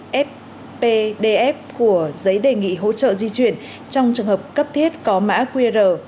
trường hợp đơn được chấp thuận sẽ nhận được file fpdf của giấy đề nghị hỗ trợ di chuyển trong trường hợp cấp thiết có mã qr